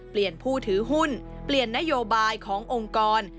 ผู้ถือหุ้นเปลี่ยนนโยบายขององค์กร